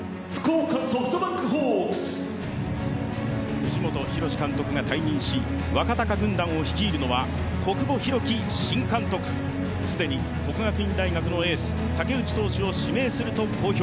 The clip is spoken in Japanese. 藤本博史監督が退任し、若鷹軍団を率いるのは小久保裕紀新監督、既に国学院大学のエース武内選手を指名すると公表。